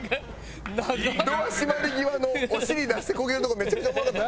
ドア閉まり際のお尻出してこけるとこめちゃくちゃおもろかった。